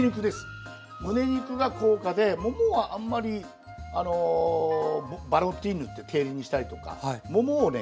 むね肉が高価でももはあんまりバロティーヌっていうにしたりとかももをね